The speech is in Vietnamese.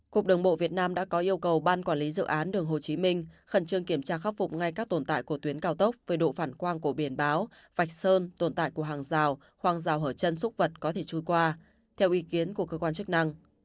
cục đường bộ việt nam đã có yêu cầu ban quản lý dự án đường hồ chí minh khẩn trương kiểm tra khắc phục ngay các tồn tại của tuyến cao tốc về độ phản quang của biển báo vạch sơn tồn tại của hàng rào hoặc rào hở chân xúc vật có thể trôi qua theo ý kiến của cơ quan chức năng